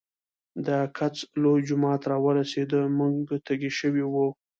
د کڅ لوے جومات راورسېدۀ مونږ تږي شوي وو